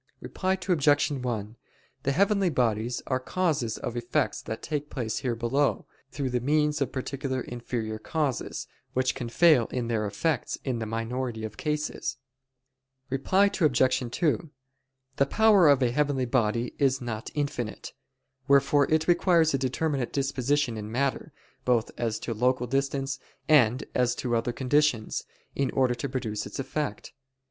Reply Obj. 1: The heavenly bodies are causes of effects that take place here below, through the means of particular inferior causes, which can fail in their effects in the minority of cases. Reply Obj. 2: The power of a heavenly body is not infinite. Wherefore it requires a determinate disposition in matter, both as to local distance and as to other conditions, in order to produce its effect.